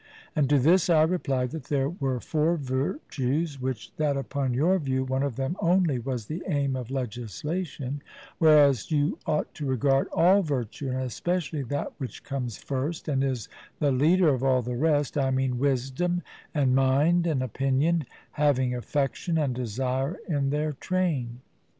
And to this I replied that there were four virtues, but that upon your view one of them only was the aim of legislation; whereas you ought to regard all virtue, and especially that which comes first, and is the leader of all the rest I mean wisdom and mind and opinion, having affection and desire in their train.